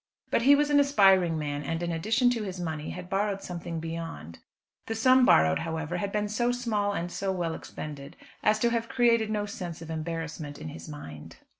But he was an aspiring man, and in addition to his money had borrowed something beyond. The sum borrowed, however, had been so small and so well expended, as to have created no sense of embarrassment in his mind.